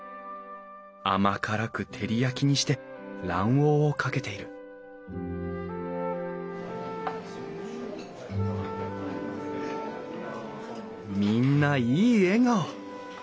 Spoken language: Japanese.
甘辛く照り焼きにして卵黄をかけているみんないい笑顔。